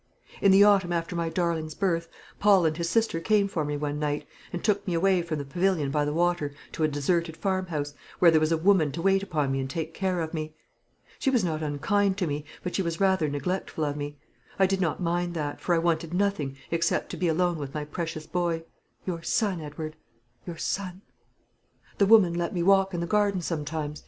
"In the autumn after my darling's birth, Paul and his sister came for me one night, and took me away from the pavilion by the water to a deserted farmhouse, where there was a woman to wait upon me and take care of me. She was not unkind to me, but she was rather neglectful of me. I did not mind that, for I wanted nothing except to be alone with my precious boy your son, Edward; your son. The woman let me walk in the garden sometimes.